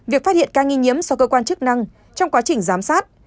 việc phát hiện ca nghi nhiễm so với cơ quan chức năng trong quá trình giám sát